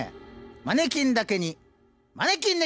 マネキンだけにマネキン猫！